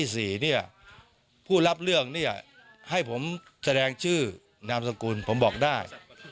แสดงชื่อนามสกุลผมบอกได้